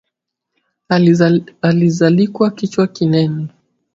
Alizalikwa kichwa kinene